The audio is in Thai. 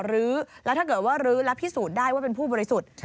หรือแล้วถ้าเกิดว่ารื้อแล้วพิสูจน์ได้ว่าเป็นผู้บริสุทธิ์